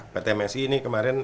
ptmsi ini kemarin